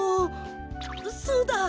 そうだ！